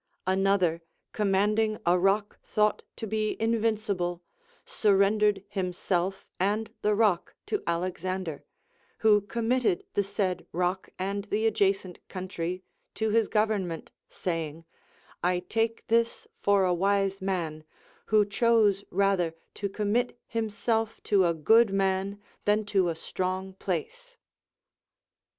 Another, commanding a rock thought to be invincible, surrendered himself and the rock to Alexander, who committed the said rock and the adjacent country to his government, saying : I take this for a wise man, who chose rather to commit himself to a 202 THE APOPHTHEGMS OF KINGS good man than to a strong place.